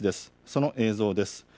その映像です。